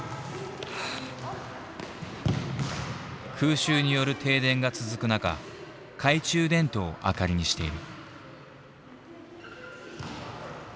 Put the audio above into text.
空襲による停電が続く中懐中電灯を明かりにしている。